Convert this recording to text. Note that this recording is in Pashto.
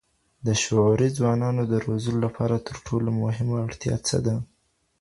د شعوري ځوانانو د روزلو لپاره ترټولو مهمه اړتيا څه ده؟